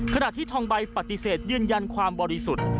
ขณะที่ทองใบปฏิเสธยืนยันความบริสุทธิ์